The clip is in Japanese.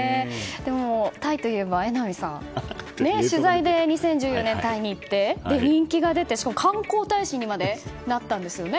でも、タイといえば榎並さん取材で２０１４年タイに行って人気が出てしかも観光大使にまでなったんですよね。